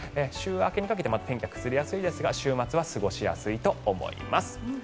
週明けにかけて天気は崩れやすいですが週末は過ごしやすいと思います。